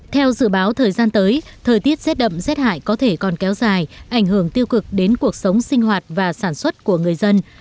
theo dự báo thời gian tới thời tiết rét đậm rét hại có thể còn kéo dài ảnh hưởng tiêu cực đến cuộc sống sinh hoạt và sản xuất của người dân